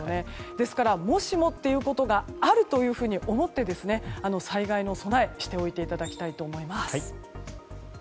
ですから、もしもということがあると思って災害の備え、しておいていただきたいと思います。